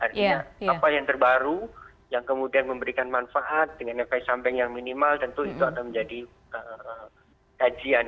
artinya apa yang terbaru yang kemudian memberikan manfaat dengan efek samping yang minimal tentu itu akan menjadi kajian